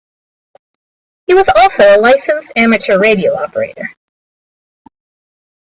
He was also a licensed Amateur Radio operator.